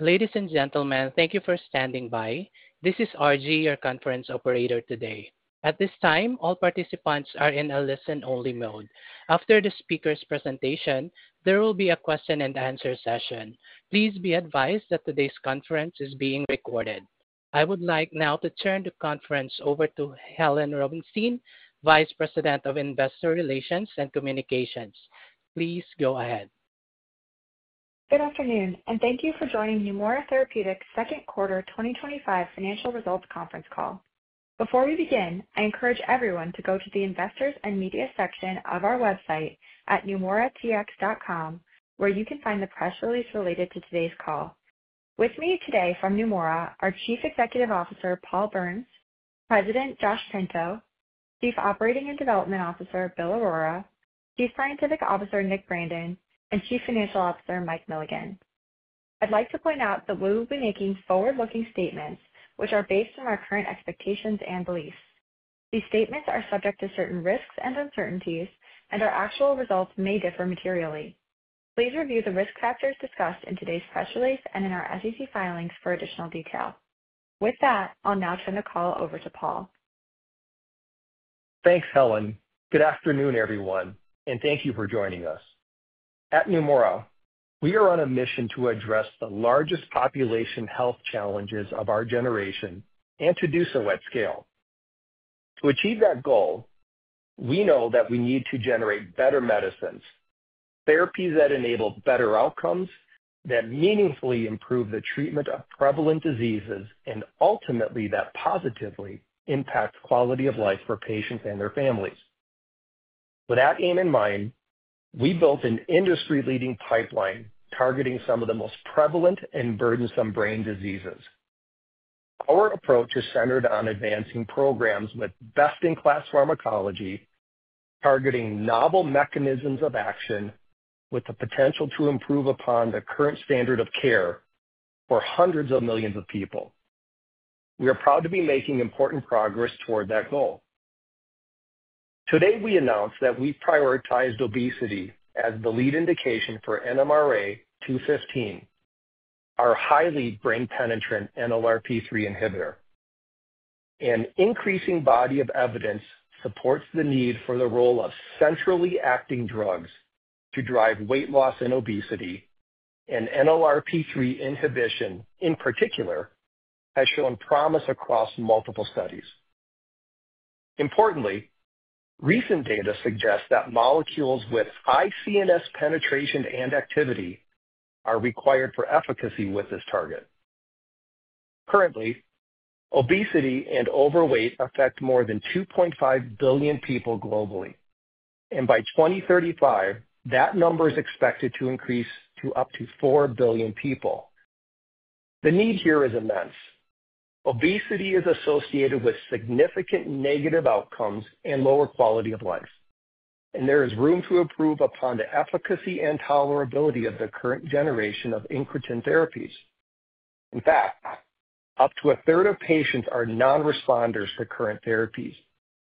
Ladies and gentlemen, thank you for standing by. This is Arji, your conference operator today. At this time, all participants are in a listen-only mode. After the speaker's presentation, there will be a question-and-answer session. Please be advised that today's conference is being recorded. I would like now to turn the conference over to Helen Rubinstein, Vice President of Investor Relations and Communications. Please go ahead. Good afternoon, and thank you for joining Neumora Therapeutics' Second Quarter 2025 Financial Results Conference Call. Before we begin, I encourage everyone to go to the Investors and Media section of our website at neumoratx.com, where you can find the press release related to today's call. With me today from Neumora are Chief Executive Officer Paul Berns, President Josh Pinto, Chief Operating and Development Officer Bill Aurora, Chief Scientific Officer Nick Brandon, and Chief Financial Officer Mike Milligan. I'd like to point out that we will be making forward-looking statements, which are based on our current expectations and beliefs. These statements are subject to certain risks and uncertainties, and our actual results may differ materially. Please review the risk factors discussed in today's press release and in our SEC filings for additional detail. With that, I'll now turn the call over to Paul. Thanks, Helen. Good afternoon, everyone, and thank you for joining us. At Neumora Therapeutics, we are on a mission to address the largest population health challenges of our generation and to do so at scale. To achieve that goal, we know that we need to generate better medicines, therapies that enable better outcomes, that meaningfully improve the treatment of prevalent diseases, and ultimately that positively impact quality of life for patients and their families. With that aim in mind, we built an industry-leading pipeline targeting some of the most prevalent and burdensome brain diseases. Our approach is centered on advancing programs with best-in-class pharmacology, targeting novel mechanisms of action with the potential to improve upon the current standard of care for hundreds of millions of people. We are proud to be making important progress toward that goal. Today, we announced that we prioritized obesity as the lead indication for NMRA-215, our highly brain-penetrant NLRP3 inhibitor. An increasing body of evidence supports the need for the role of centrally acting drugs to drive weight loss and obesity, and NLRP3 inhibition in particular has shown promise across multiple studies. Importantly, recent data suggests that molecules with high CNS penetration and activity are required for efficacy with this target. Currently, obesity and overweight affect more than 2.5 billion people globally, and by 2035, that number is expected to increase to up to 4 billion people. The need here is immense. Obesity is associated with significant negative outcomes and lower quality of life, and there is room to improve upon the efficacy and tolerability of the current generation of incretin therapies. In fact, up to a third of patients are non-responders to current therapies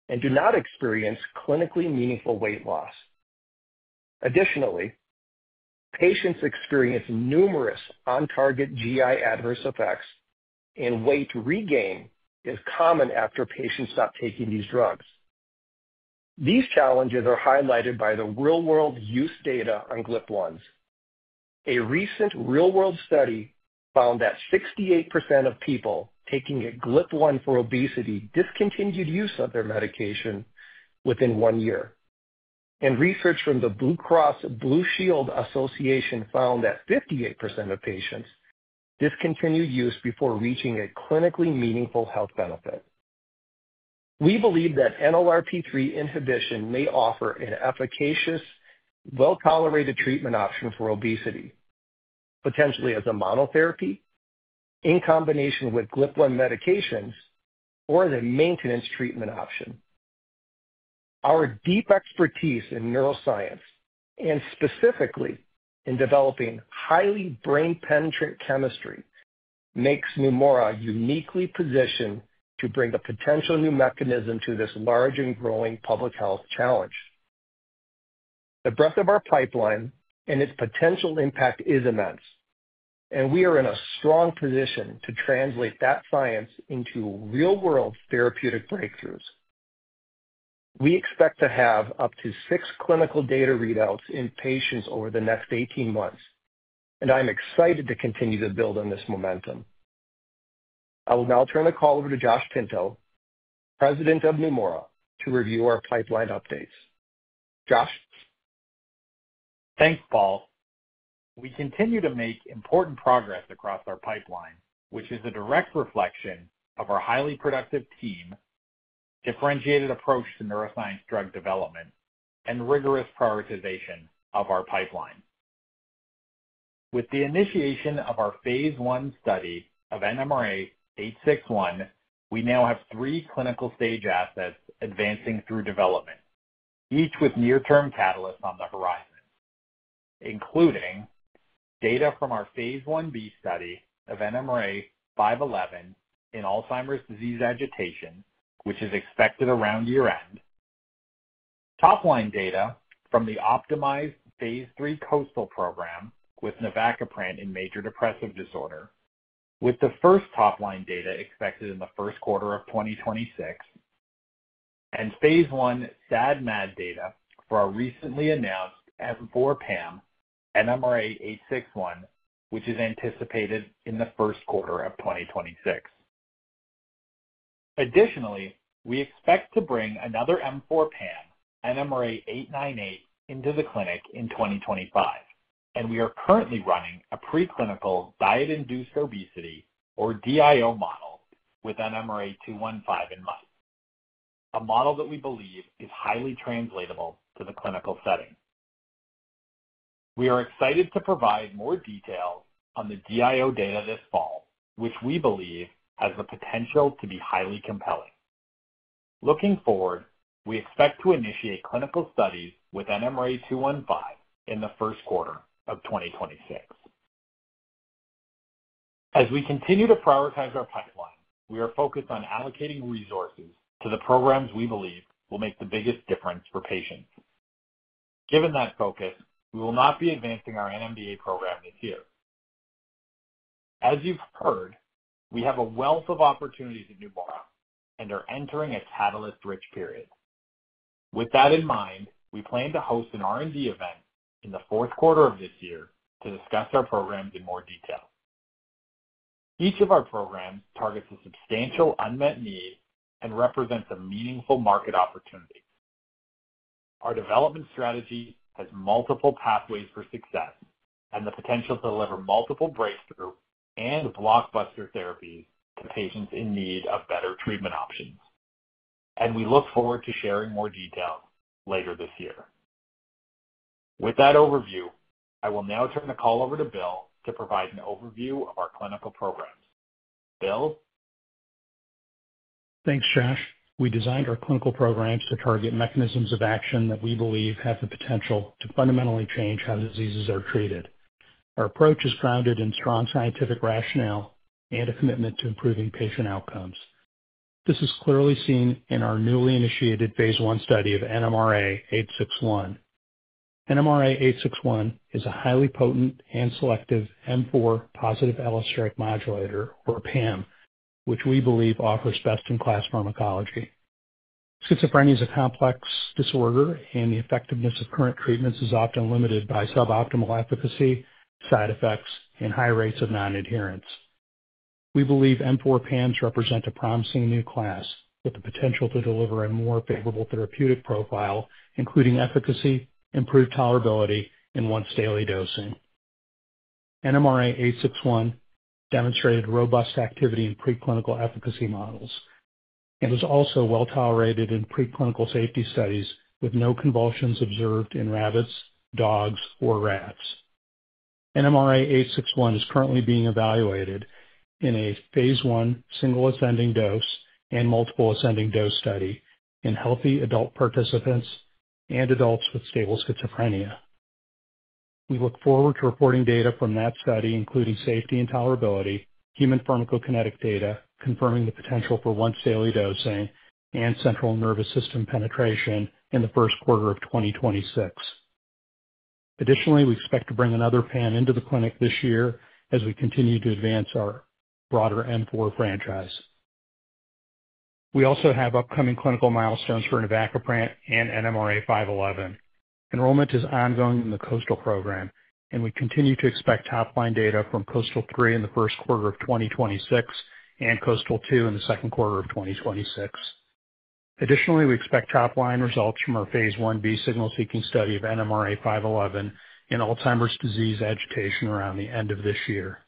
and do not experience clinically meaningful weight loss. Additionally, patients experience numerous on-target GI adverse effects, and weight regain is common after patients stop taking these drugs. These challenges are highlighted by the real-world use data on GLP-1 therapies. A recent real-world study found that 68% of people taking a GLP-1 for obesity discontinued use of their medication within one year, and research from the Blue Cross Blue Shield Association found that 58% of patients discontinued use before reaching a clinically meaningful health benefit. We believe that NLRP3 inhibition may offer an efficacious, well-tolerated treatment option for obesity, potentially as a monotherapy, in combination with GLP-1 medications, or as a maintenance treatment option. Our deep expertise in neuroscience, and specifically in developing highly brain-penetrating chemistry, makes Neumora Therapeutics uniquely positioned to bring a potential new mechanism to this large and growing public health challenge. The breadth of our pipeline and its potential impact is immense, and we are in a strong position to translate that science into real-world therapeutic breakthroughs. We expect to have up to six clinical data readouts in patients over the next 18 months, and I'm excited to continue to build on this momentum. I will now turn the call over to Josh Pinto, President of Neumora Therapeutics, to review our pipeline updates. Josh? Thanks, Paul. We continue to make important progress across our pipeline, which is a direct reflection of our highly productive team, differentiated approach to neuroscience drug development, and rigorous prioritization of our pipeline. With the initiation of our phase I study of NMRA-861, we now have three clinical stage assets advancing through development, each with near-term catalysts on the horizon, including data from our phase I-B study of NMRA-511 in Alzheimer's disease agitation, which is expected around year-end, top-line data from the optimized phase III KOASTAL program with navacaprant in major depressive disorder, with the first top-line data expected in the first quarter of 2026, and phase I SAD/MAD data for our recently announced M4 PAM, NMRA-861, which is anticipated in the first quarter of 2026. Additionally, we expect to bring another M4 PAM, NMRA-898, into the clinic in 2025, and we are currently running a preclinical diet-induced obesity, or DIO, model with NMRA-215 in mind, a model that we believe is highly translatable to the clinical setting. We are excited to provide more detail on the DIO data this fall, which we believe has the potential to be highly compelling. Looking forward, we expect to initiate clinical studies with NMRA-215 in the first quarter of 2026. As we continue to prioritize our pipeline, we are focused on allocating resources to the programs we believe will make the biggest difference for patients. Given that focus, we will not be advancing our NMDA program this year. As you've heard, we have a wealth of opportunities at Neumora and are entering a catalyst-rich period. With that in mind, we plan to host an R&D event in the fourth quarter of this year to discuss our program in more detail. Each of our programs targets a substantial unmet need and represents a meaningful market opportunity. Our development strategy has multiple pathways for success and the potential to deliver multiple breakthrough and blockbuster therapies to patients in need of better treatment options, and we look forward to sharing more detail later this year. With that overview, I will now turn the call over to Bill to provide an overview of our clinical programs. Bill? Thanks, Josh. We designed our clinical programs to target mechanisms of action that we believe have the potential to fundamentally change how diseases are treated. Our approach is grounded in strong scientific rationale and a commitment to improving patient outcomes. This is clearly seen in our newly initiated phase I study of NMRA-861. NMRA-861 is a highly potent and selective M4 positive allosteric modulator, or PAM, which we believe offers best-in-class pharmacology. Schizophrenia is a complex disorder, and the effectiveness of current treatments is often limited by suboptimal efficacy, side effects, and high rates of nonadherence. We believe M4 PAMs represent a promising new class with the potential to deliver a more favorable therapeutic profile, including efficacy, improved tolerability, and once-daily dosing. NMRA-861 demonstrated robust activity in preclinical efficacy models and was also well tolerated in preclinical safety studies with no convulsions observed in rabbits, dogs, or rats. NMRA-861 is currently being evaluated in a phase I single ascending dose and multiple ascending dose study in healthy adult participants and adults with stable schizophrenia. We look forward to reporting data from that study, including safety and tolerability, human pharmacokinetic data confirming the potential for once-daily dosing and central nervous system penetration in the first quarter of 2026. Additionally, we expect to bring another PAM into the clinic this year as we continue to advance our broader M4 franchise. We also have upcoming clinical milestones for navacaprant and NMRA-511. Enrollment is ongoing in the KOASTAL program, and we continue to expect top-line data from KOASTAL-3 in the first quarter of 2026 and KOASTAL-2 in the second quarter of 2026. Additionally, we expect top-line results from our phase I-B signal-seeking study of NMRA-511 in Alzheimer's disease agitation around the end of this year.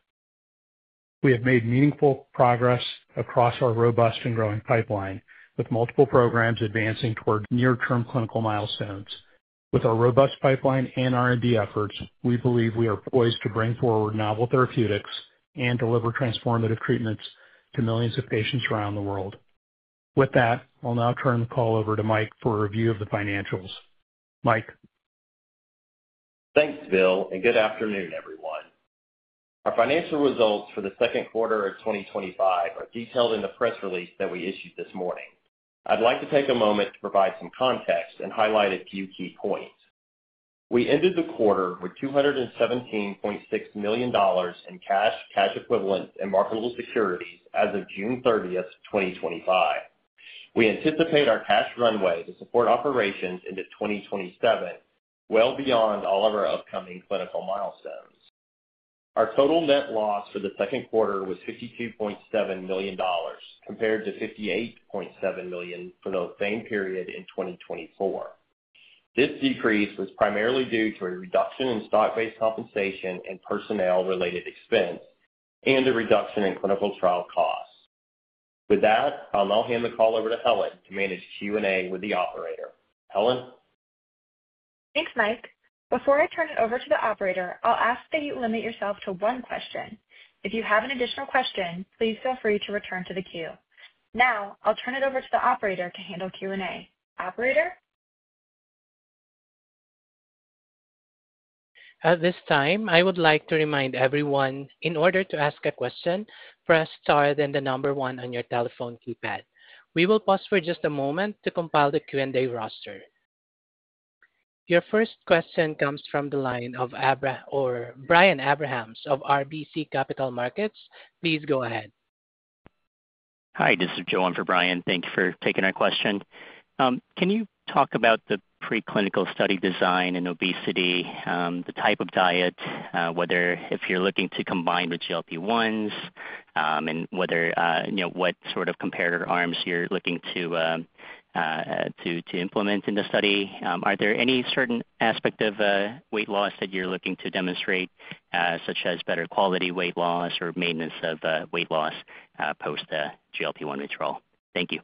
We have made meaningful progress across our robust and growing pipeline, with multiple programs advancing toward near-term clinical milestones. With our robust pipeline and R&D efforts, we believe we are poised to bring forward novel therapeutics and deliver transformative treatments to millions of patients around the world. With that, I'll now turn the call over to Mike for a review of the financials. Mike. Thanks, Bill, and good afternoon, everyone. Our financial results for the second quarter of 2025 are detailed in the press release that we issued this morning. I'd like to take a moment to provide some context and highlight a few key points. We ended the quarter with $217.6 million in cash, cash equivalents, and marketable securities as of June 30th, 2025. We anticipate our cash runway to support operations into 2027, well beyond all of our upcoming clinical milestones. Our total net loss for the second quarter was $52.7 million compared to $58.7 million for the same period in 2024. This decrease was primarily due to a reduction in stock-based compensation and personnel-related expense and a reduction in clinical trial costs. With that, I'll now hand the call over to Helen to manage Q&A with the operator. Helen? Thanks, Mike. Before I turn it over to the operator, I'll ask that you limit yourself to one question. If you have an additional question, please feel free to return to the queue. Now, I'll turn it over to the operator to handle Q&A. Operator? At this time, I would like to remind everyone, in order to ask a question, press star then the number one on your telephone keypad. We will pause for just a moment to compile the Q&A roster. Your first question comes from the line of Brian Abrahams of RBC Capital Markets. Please go ahead. Hi, this is Joe for Brian. Thank you for taking our question. Can you talk about the preclinical study design in obesity, the type of diet, whether if you're looking to combine with GLP-1s, and what sort of comparator arms you're looking to implement in the study? Are there any certain aspects of weight loss that you're looking to demonstrate, such as better quality weight loss or maintenance of weight loss post-GLP-1 withdrawal? Thank you.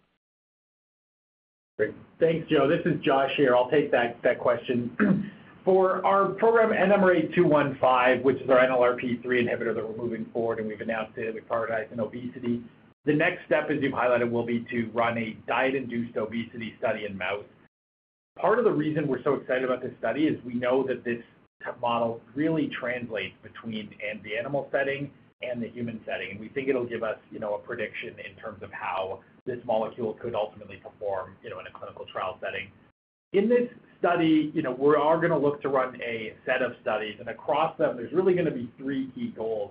Great. Thanks, Joe. This is Josh here. I'll take that question. For our program NMRA-215, which is our NLRP3 inhibitor that we're moving forward and we've announced today that we prioritize in obesity, the next step, as you've highlighted, will be to run a diet-induced obesity study in mouse. Part of the reason we're so excited about this study is we know that this model really translates between the animal setting and the human setting, and we think it'll give us a prediction in terms of how this molecule could ultimately perform in a clinical trial setting. In this study, we are going to look to run a set of studies, and across them, there's really going to be three key goals.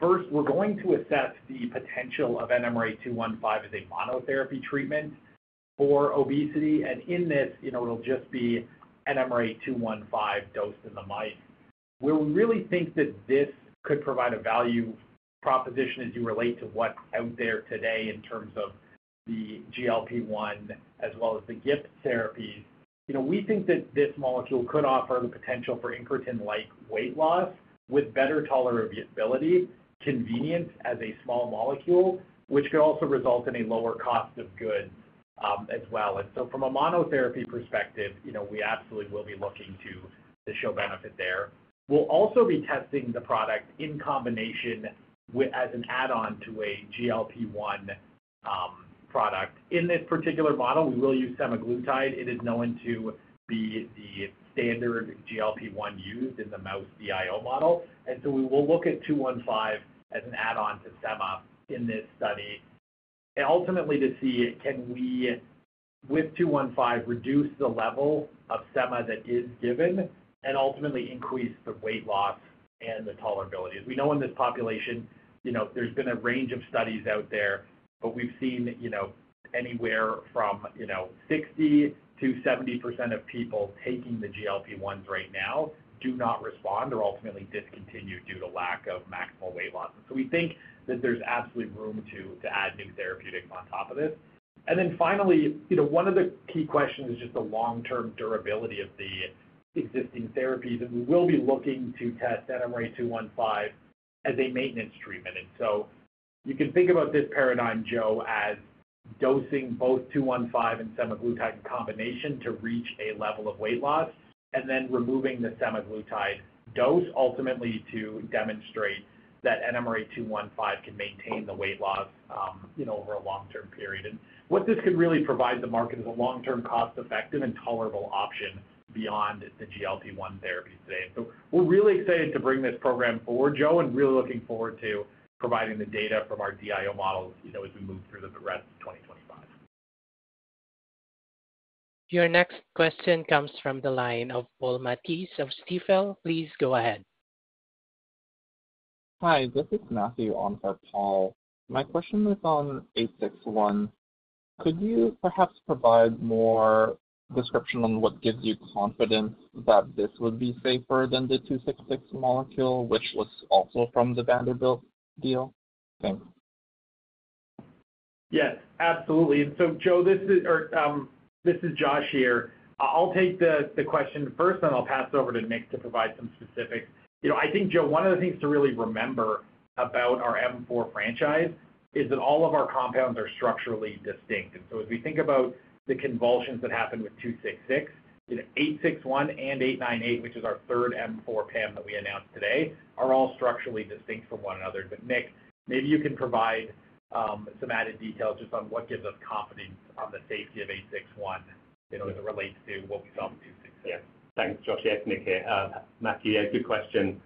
First, we're going to assess the potential of NMRA-215 as a monotherapy treatment for obesity, and in this, it'll just be NMRA-215 dosed in the mice. We really think that this could provide a value proposition as you relate to what's out there today in terms of the GLP-1 as well as the GIP therapies. We think that this molecule could offer the potential for incretin-like weight loss with better tolerability, convenience as a small molecule, which could also result in a lower cost of goods as well. From a monotherapy perspective, we absolutely will be looking to show benefit there. We'll also be testing the product in combination as an add-on to a GLP-1 product. In this particular model, we will use semaglutide. It is known to be the standard GLP-1 used in the mouse DIO model. We will look at 215 as an add-on to SEMA in this study and ultimately to see, can we, with 215, reduce the level of SEMA that is given and ultimately increase the weight loss and the tolerability? We know in this population, there's been a range of studies out there, but we've seen anywhere from 60%-70% of people taking the GLP-1s right now do not respond or ultimately discontinue due to lack of maximal weight loss. We think that there's absolutely room to add new therapeutics on top of this. Finally, one of the key questions is just the long-term durability of the existing therapies. We will be looking to test NMRA-215 as a maintenance treatment. You can think about this paradigm, Joe, as dosing both NMRA-215 and semaglutide in combination to reach a level of weight loss, then removing the semaglutide dose ultimately to demonstrate that NMRA-215 can maintain the weight loss over a long-term period. What this could really provide the market is a long-term, cost-effective, and tolerable option beyond the GLP-1 therapies today. We are really excited to bring this program forward, Joe, and really looking forward to providing the data from our DIO model as we move through the rest of 2025. Your next question comes from the line of Paul Matisse of Stifel. Please go ahead. Hi, this is Matthew on for Paul. My question is on NMRA-861. Could you perhaps provide more description on what gives you confidence that this would be safer than the MNRA-266 molecule, which was also from the Vanderbilt deal? Thanks. Yes, absolutely. Joe, this is Josh here. I'll take the question first, and then I'll pass it over to Nick to provide some specifics. I think, Joe, one of the things to really remember about our M4 franchise is that all of our compounds are structurally distinct. As we think about the convulsions that happen with NMRA-266, NMRA-861 and NMRA-898, which is our third M4 PAM that we announced today, are all structurally distinct from one another. Nick, maybe you can provide some added details just on what gives us confidence on the safety of NMRA-861 as it relates to what we saw with NMRA-266. Thanks, Josh. Yeah, Nick here. Matthew, yeah, good question.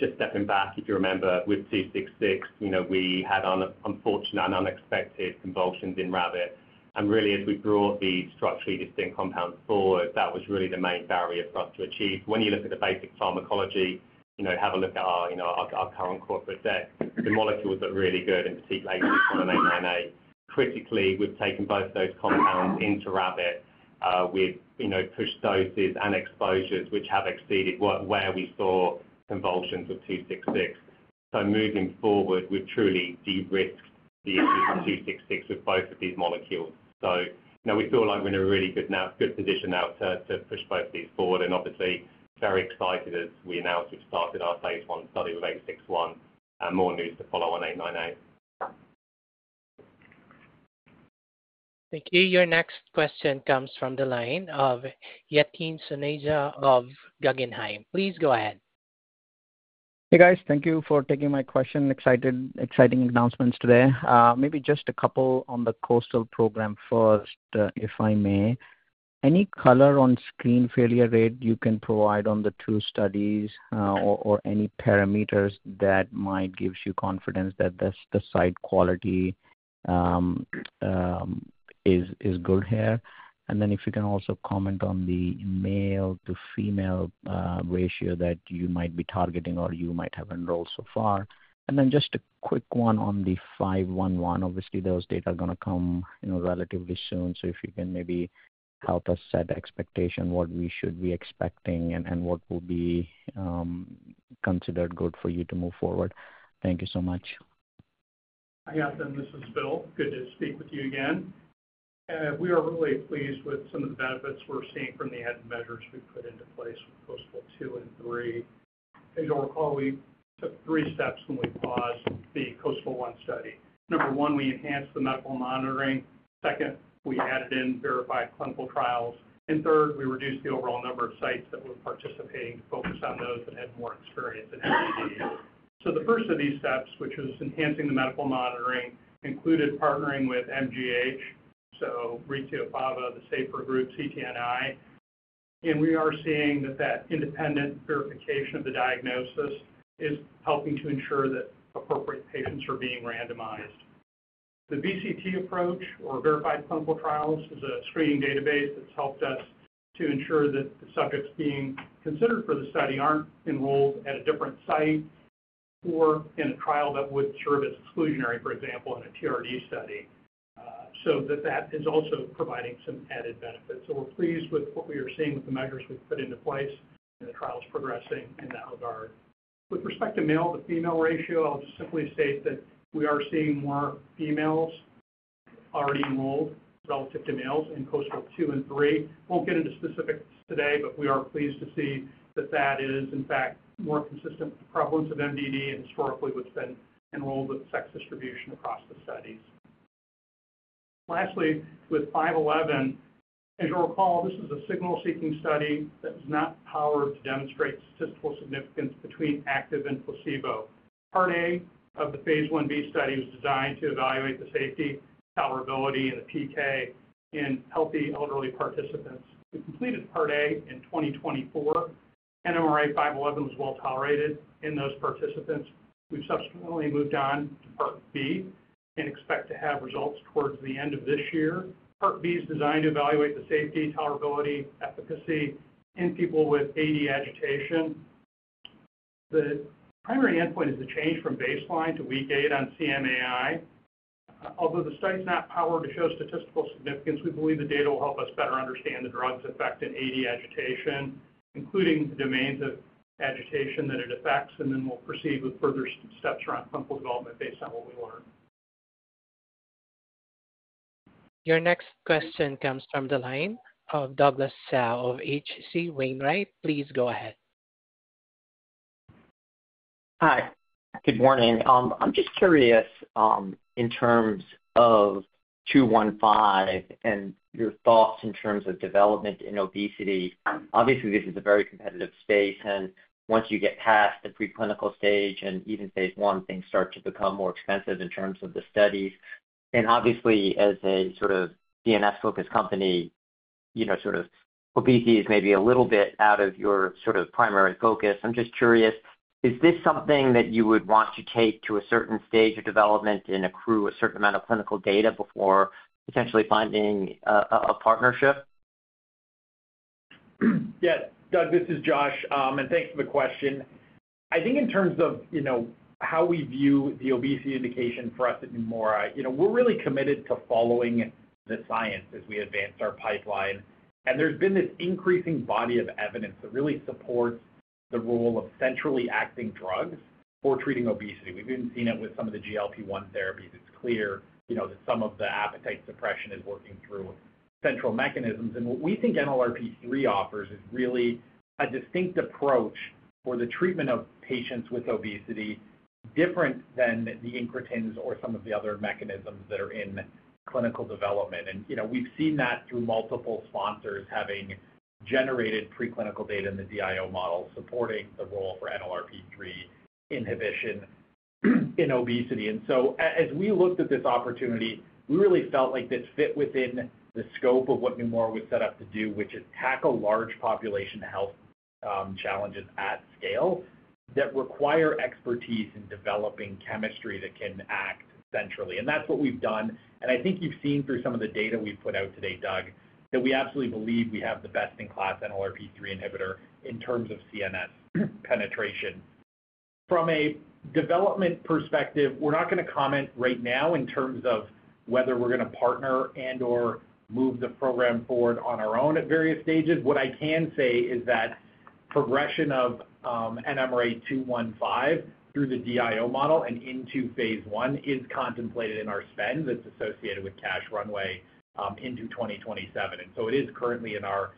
Just stepping back, if you remember, with 266, we had unfortunate and unexpected convulsions in rabbit. As we brought these structurally distinct compounds forward, that was really the main barrier for us to achieve. When you look at the basic pharmacology, have a look at our current corporate set, the molecules look really good, in particular NMRA-861, NMRA-898. Critically, we've taken both those compounds into rabbit, with push doses and exposures, which have exceeded where we saw convulsions with NMRA-266. Moving forward, we've truly de-risked the issues on NMRA-266 with both of these molecules. We feel like we're in a really good position now to push both of these forward and obviously very excited as we announce we've started our phase I study with 861 and more news to follow on NMRA-898. Thank you. Your next question comes from the line of Yatin Suneja of Guggenheim Securities. Please go ahead. Hey, guys. Thank you for taking my question. Exciting announcements today. Maybe just a couple on the KOASTAL program first, if I may. Any color on screen failure rate you can provide on the two studies or any parameters that might give you confidence that the site quality is good here? If you can also comment on the male to female ratio that you might be targeting or you might have enrolled so far. Just a quick one on the NMRA-511. Obviously, those data are going to come, you know, relatively soon. If you can maybe help us set expectation, what we should be expecting and what will be considered good for you to move forward. Thank you so much. Yeah, this is Bill. Good to speak with you again. We are really pleased with some of the benefits we're seeing from the added measures we've put into place with KOASTAL 2 and 3. As you recall, we took three steps when we paused the KOASTAL-1 study. Number one, we enhanced the medical monitoring. Second, we added in Verified Clinical Trials. Third, we reduced the overall number of sites that were participating to focus on those that had more experience in MDD. The first of these steps, which was enhancing the medical monitoring, included partnering with MGH, RITIO, FAVA, the SAFR Group, and CTNI. We are seeing that independent verification of the diagnosis is helping to ensure that appropriate patients are being randomized. The VCT approach, or Verified Clinical Trials, is a screening database that's helped us to ensure that the subjects being considered for the study aren't enrolled at a different site or in a trial that would serve as exclusionary, for example, in a TRD study. That is also providing some added benefits. We are pleased with what we are seeing with the measures we've put into place, and the trial is progressing in that regard. With respect to male to female ratio, I'll just simply state that we are seeing more females already enrolled relative to males in KOASTAL 2 and 3. We won't get into specifics today, but we are pleased to see that is, in fact, more consistent with the prevalence of MDD and historically what's been enrolled with sex distribution across the studies. Lastly, with NMRA-511, as you'll recall, this is a signal-seeking study that's not powered to demonstrate statistical significance between active and placebo. Part A of the phase I-B study was designed to evaluate the safety, tolerability, and the PK in healthy elderly participants. We completed Part A in 2024. NMRA-511 was well tolerated in those participants. We subsequently moved on to Part B and expect to have results towards the end of this year. Part B is designed to evaluate the safety, tolerability, and efficacy in people with AD agitation. The primary endpoint is the change from baseline to week 8 on CMAI. Although the study is not powered to show statistical significance, we believe the data will help us better understand the drug's effect in AD agitation, including the domains of agitation that it affects, and then we'll proceed with further steps around clinical development based on what we learn. Your next question comes from the line of Douglas Tsao of H.C. Wainwright. Please go ahead. Hi. Good morning. I'm just curious in terms of NMRA-215 and your thoughts in terms of development in obesity. Obviously, this is a very competitive space, and once you get past the preclinical stage and even phase I, things start to become more expensive in terms of the studies. Obviously, as a sort of CNS-focused company, you know, obesity is maybe a little bit out of your sort of primary focus. I'm just curious, is this something that you would want to take to a certain stage of development and accrue a certain amount of clinical data before potentially finding a partnership? Yeah, Doug, this is Josh, and thanks for the question. I think in terms of how we view the obesity indication for us at Neumora, we're really committed to following the science as we advance our pipeline. There's been this increasing body of evidence that really supports the role of centrally acting drugs for treating obesity. We've even seen it with some of the GLP-1 therapies. It's clear that some of the appetite suppression is working through central mechanisms. What we think NLRP3 offers is really a distinct approach for the treatment of patients with obesity, different than the incretins or some of the other mechanisms that are in clinical development. We've seen that through multiple sponsors having generated preclinical data in the DIO model supporting the role for NLRP3 inhibition in obesity. As we looked at this opportunity, we really felt like this fit within the scope of what Neumora was set up to do, which is tackle large population health challenges at scale that require expertise in developing chemistry that can act centrally. That's what we've done. I think you've seen through some of the data we've put out today, Doug, that we absolutely believe we have the best-in-class NLRP3 inhibitor in terms of CNS penetration. From a development perspective, we're not going to comment right now in terms of whether we're going to partner and/or move the program forward on our own at various stages. What I can say is that the progression of NMRA-215 through the DIO model and into phase I is contemplated in our spend that's associated with cash runway into 2027. It is currently in our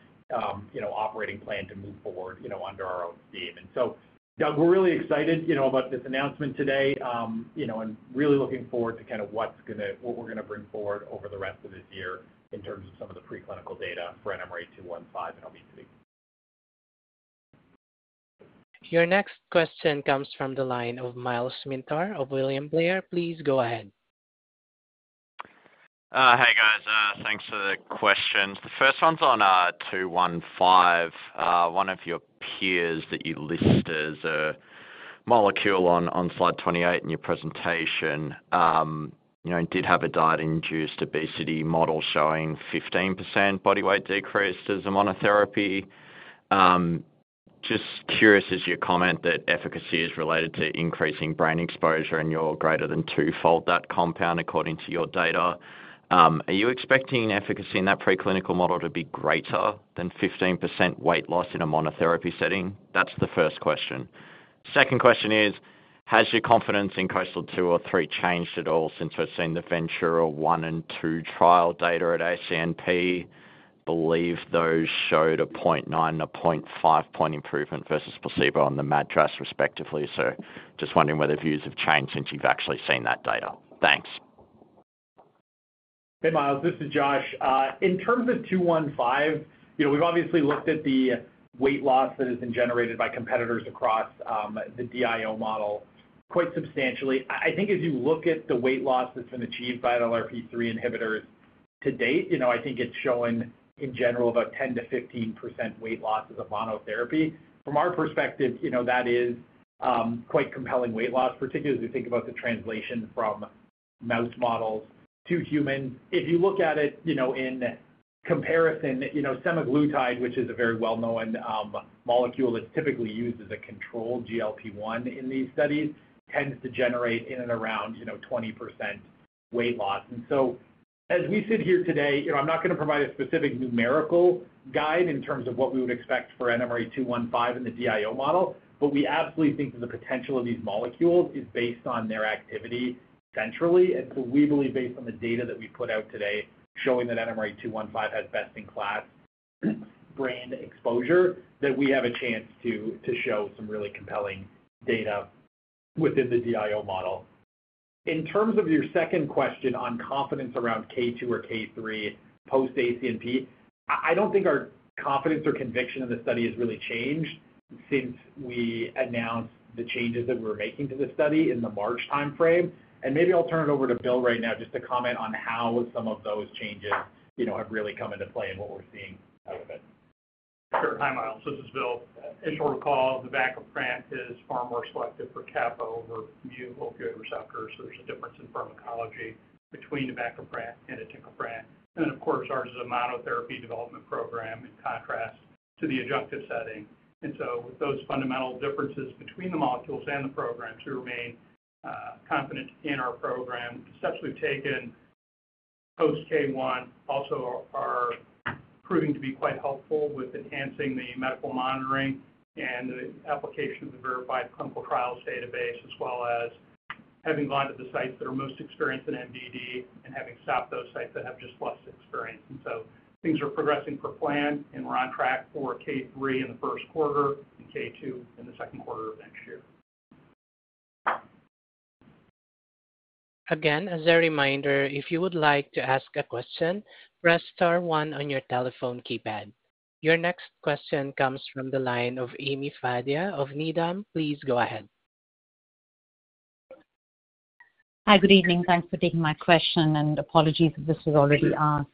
operating plan to move forward under our own theme. Doug, we're really excited about this announcement today and really looking forward to what's going to what we're going to bring forward over the rest of this year in terms of some of the preclinical data for NMRA-215 in obesity. Your next question comes from the line of Myles Minter of William Blair. Please go ahead. Hey, guys. Thanks for the questions. The first one's on NMRA-15. One of your peers that you list as a molecule on slide 28 in your presentation did have a diet-induced obesity model showing 15% body weight decrease as a monotherapy. Just curious, as you comment that efficacy is related to increasing brain exposure and you're greater than twofold that compound according to your data, are you expecting efficacy in that preclinical model to be greater than 15% weight loss in a monotherapy setting? That's the first question. Second question is, has your confidence in KOASTAL two or three changed at all since we've seen the Ventura one and two trial data at ACNP? Believe those showed a 0.9-0.5 point improvement versus placebo on the MADRS, respectively. Just wondering whether views have changed since you've actually seen that data. Thanks. Hey, Myles. This is Josh. In terms of NMRA-215, we've obviously looked at the weight loss that has been generated by competitors across the DIO model quite substantially. I think as you look at the weight loss that's been achieved by NLRP3 inhibitors to date, I think it's showing in general about 10%-15% weight loss as a monotherapy. From our perspective, that is quite compelling weight loss, particularly as we think about the translation from mouse models to humans. If you look at it in comparison, semaglutide, which is a very well-known molecule that's typically used as a controlled GLP-1 in these studies, tends to generate in and around 20% weight loss. As we sit here today, I'm not going to provide a specific numerical guide in terms of what we would expect for NMRA-215 in the DIO model, but we absolutely think that the potential of these molecules is based on their activity centrally. We believe based on the data that we put out today showing that NMRA-215 has best-in-class brain exposure, that we have a chance to show some really compelling data within the DIO model. In terms of your second question on confidence around K2 or K3 post-ACNP, I don't think our confidence or conviction in the study has really changed since we announced the changes that we're making to the study in the March timeframe. Maybe I'll turn it over to Bill right now just to comment on how some of those changes have really come into play and what we're seeing out of it. Hi, Myles. This is Bill. As you'll recall, navacaprant is far more selective for KOP, where it's a mu opioid receptor, so there's a difference in pharmacology between navacaprant and itinquaprant. Ours is a monotherapy development program in contrast to the adjunctive setting. With those fundamental differences between the molecules and the programs, we remain confident in our program. The steps we've taken post-K1 also are proving to be quite helpful with enhancing the medical monitoring and the application of the verified clinical trials database, as well as having gone to the sites that are most experienced in major depressive disorder and having stopped those sites that have just less experience. Things are progressing per plan, and we're on track for K3 in the first quarter and K2 in the second quarter of next year. Again, as a reminder, if you would like to ask a question, press star one on your telephone keypad. Your next question comes from the line of Ami Fadia of Needham & Company. Please go ahead. Hi, good evening. Thanks for taking my question and apologies if this was already asked.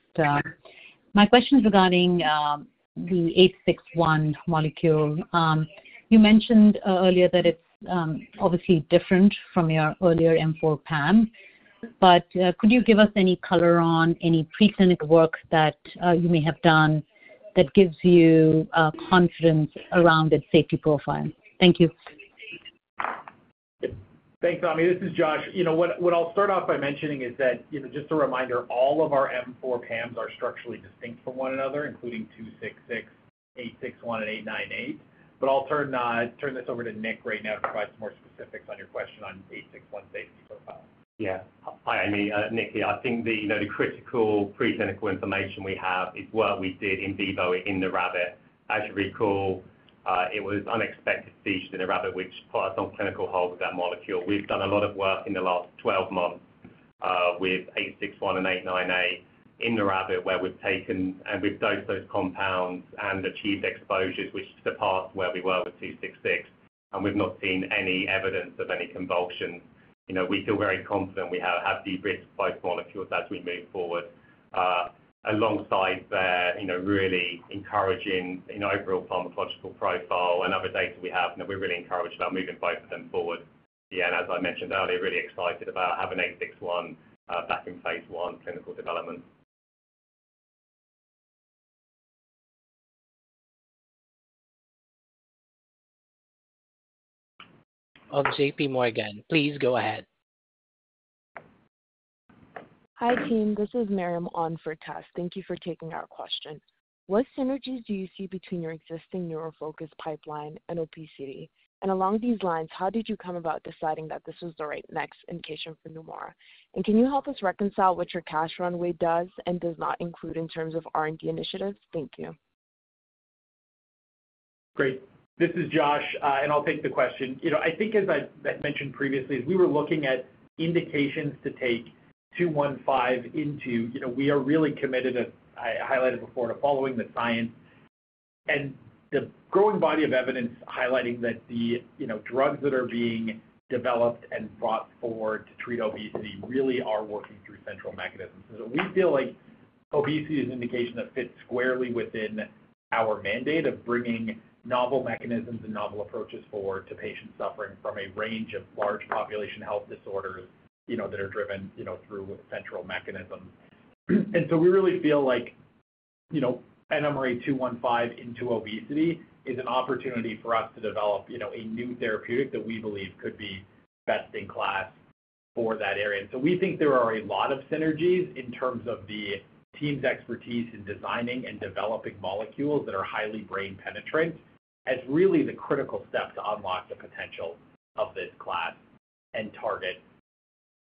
My question is regarding the NMRA-861 molecule. You mentioned earlier that it's obviously different from your earlier M4 PAM, but could you give us any color on any preclinical work that you may have done that gives you confidence around its safety profile? Thank you. Thanks, Ami. This is Josh. What I'll start off by mentioning is that, just a reminder, all of our M4 PAMs are structurally distinct from one another, including NMRA-266, NMRA-861, and NMRA-898. I'll turn this over to Nick right now to provide some more specifics on your question on NMRA-861's safety profile. Yeah. Hi, Ami. Nick here. I think the critical preclinical information we have is work we did in vivo in the rabbit. As you recall, it was unexpected seizures in the rabbit, which put us on clinical hold with that molecule. We've done a lot of work in the last 12 months with NMRA-861 and NMRA-898 in the rabbit where we've taken and we've dosed those compounds and achieved exposures, which is the part where we were with NMRA-266, and we've not seen any evidence of any convulsions. We feel very confident we have de-risked both molecules as we move forward, alongside their really encouraging overall pharmacological profile and other data we have. We're really encouraged about moving both of them forward. Yeah, and as I mentioned earlier, really excited about having NMRA-861 back in phase I clinical development. On J.P. Morgan. Please go ahead. Hi, team. This is Maryam on for Tess. Thank you for taking our question. What synergies do you see between your existing neurofocus pipeline and obesity? Along these lines, how did you come about deciding that this was the right next indication for Neumora? Can you help us reconcile what your cash runway does and does not include in terms of R&D initiatives? Thank you. Great. This is Josh, and I'll take the question. I think as I mentioned previously, as we were looking at indications to take NMRA-215 into, we are really committed, as I highlighted before, to following the science and the growing body of evidence highlighting that the drugs that are being developed and brought forward to treat obesity really are working through central mechanisms. We feel like obesity is an indication that fits squarely within our mandate of bringing novel mechanisms and novel approaches forward to patients suffering from a range of large population health disorders that are driven through central mechanisms. We really feel like NMRA-215 into obesity is an opportunity for us to develop a new therapeutic that we believe could be best in class for that area. We think there are a lot of synergies in terms of the team's expertise in designing and developing molecules that are highly brain-penetrant as really the critical step to unlock the potential of this class and target.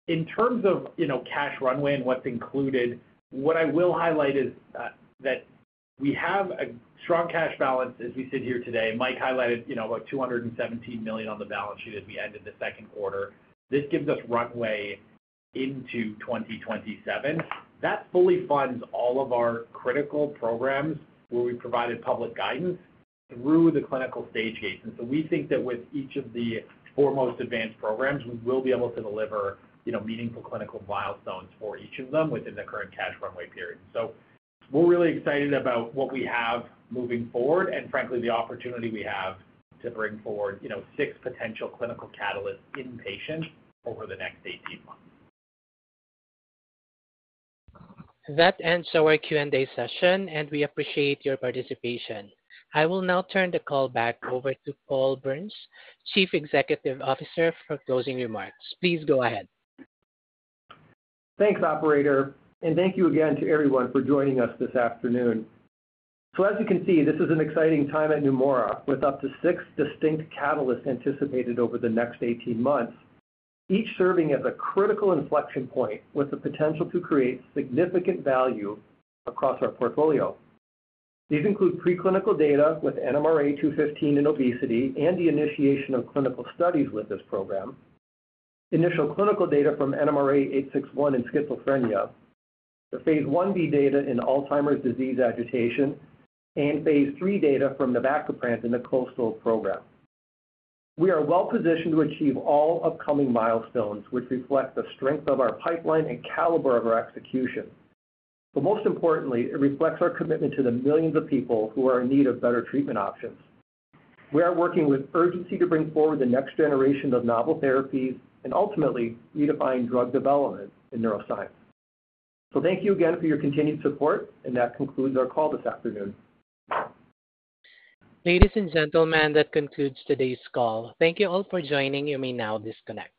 In terms of cash runway and what's included, what I will highlight is that we have a strong cash balance as we sit here today. Mike highlighted about $217 million on the balance sheet as we ended the second quarter. This gives us runway into 2027. That fully funds all of our critical programs where we provided public guidance through the clinical stage gates. We think that with each of the four most advanced programs, we will be able to deliver meaningful clinical milestones for each of them within the current cash runway period. We're really excited about what we have moving forward and, frankly, the opportunity we have to bring forward six potential clinical catalysts in patients over the next 18 months. That ends our Q&A session, and we appreciate your participation. I will now turn the call back over to Paul Berns, Chief Executive Officer, for closing remarks. Please go ahead. Thanks, Operator. Thank you again to everyone for joining us this afternoon. As you can see, this is an exciting time at Neumora with up to six distinct catalysts anticipated over the next 18 months, each serving as a critical inflection point with the potential to create significant value across our portfolio. These include preclinical data with NMRA-215 in obesity and the initiation of clinical studies with this program, initial clinical data from NMRA-861 in schizophrenia, the phase I-B data in Alzheimer's disease agitation, and phase III data from navacaprant in the KOASTAL program. We are well positioned to achieve all upcoming milestones, which reflect the strength of our pipeline and caliber of our execution. Most importantly, it reflects our commitment to the millions of people who are in need of better treatment options. We are working with urgency to bring forward the next generation of novel therapies and ultimately unifying drug development in neuroscience. Thank you again for your continued support, and that concludes our call this afternoon. Ladies and gentlemen, that concludes today's call. Thank you all for joining. You may now disconnect.